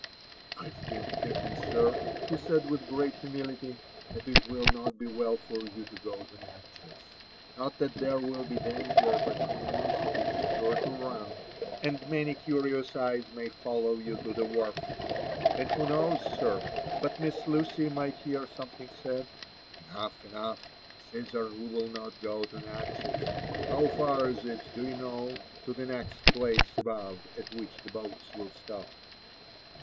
" I have been thinking, sir," he said with great humility, "that it will not be well for you to go to Natchez ;— not that there will be danger, but news is sure to run, and many curious eyes^may follow you to the wharf; and who knows, sir, but Miss Lucy might hear something said ?"'* Enough ! enough! Caesar— we will not go to Natchez. How far is it, do you know, to the next place above at which the boats will stop!"